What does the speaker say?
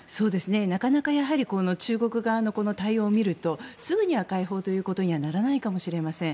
なかなかやはり中国側の対応を見るとすぐには解放ということにはならないかもしれません。